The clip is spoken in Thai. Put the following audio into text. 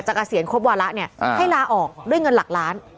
เกษียณครบวาระเนี่ยให้ลาออกด้วยเงินหลักล้าน